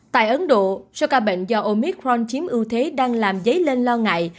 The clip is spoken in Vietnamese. tại ấn độ số ca bệnh do omicron chiếm ưu thế đang làm dấy lên lo ngại